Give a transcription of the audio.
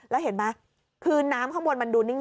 แล้วเห็นไหมคือน้ำข้างบนมันดูนิ่ง